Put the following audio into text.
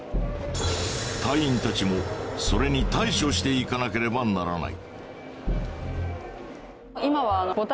隊員たちもそれに対処していかなければならない。